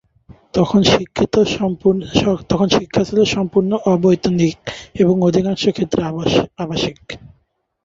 তখন শিক্ষা ছিল সম্পূর্ণ অবৈতনিক এবং অধিকাংশ ক্ষেত্রে আবাসিক।